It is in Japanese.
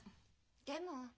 でも。